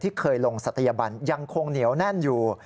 เคยลงศัตยบันยังคงเหนียวแน่นอยู่